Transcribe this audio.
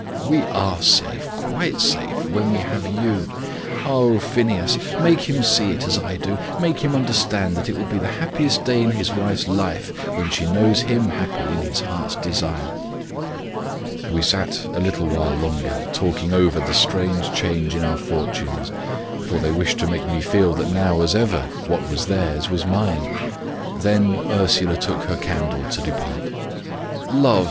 "We are safe quite safe when we have you. Oh, Phineas! make him see it as I do. Make him understand that it will be the happiest day in his wife's life when she knows him happy in his heart's desire." We sat a little while longer, talking over the strange change in our fortunes for they wished to make me feel that now, as ever, what was theirs was mine; then Ursula took her candle to depart. "Love!"